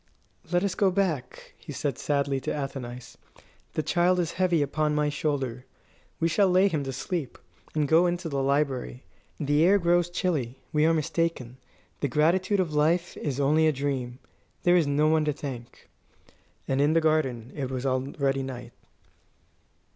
"Let us go back," he said sadly to Athenais; "the child is heavy upon my shoulder. We will lay him to sleep, and go into the library. The air grows chilly. We were mistaken. The gratitude of life is only a dream. There is no one to thank." And in the garden it was already night.